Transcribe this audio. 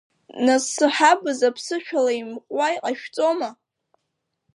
Насы ҳабз аԥсышәала имҟәуа иҟашәҵома?